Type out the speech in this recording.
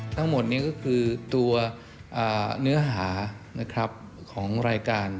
ทั้งหมดนี้ก็คือตัวเนื้อหานะครับของรายการ